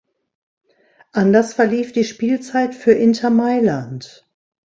Anders verlief die Spielzeit für Inter Mailand.